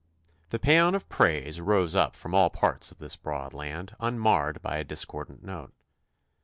The paean of praise rose up from all parts of this broad land unmarred by a dis cordant note.